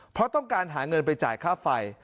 เพราะต้องการหาเงินไปจ่ายค่าไฟ